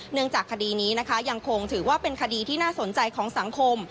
เนื่องจากคดีนี้นะคะยังคงถือว่าเป็นคดีที่น่าสนใจของสังคม